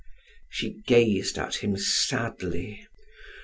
She gazed at him sadly.